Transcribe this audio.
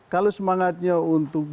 kalau semangatnya untuk